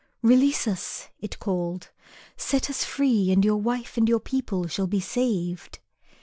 "Release us," it called, "set us free and your wife and your people shall be saved."